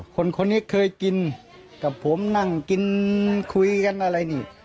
คนนี้เคยกินกับผมนั่งกินคุยกันอะไรนี่